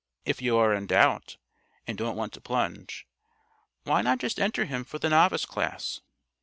If you are in doubt and don't want to plunge, why not just enter him for the Novice class?